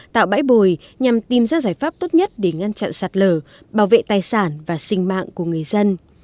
tạo bãi bồi nhằm tìm ra giải pháp tốt nhất để ngăn chặn sạt lở bảo vệ tài sản và sinh mạng của người dân